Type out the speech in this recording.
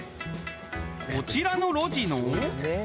こちらの路地の。